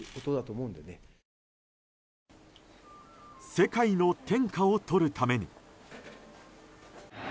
世界の天下をとるために。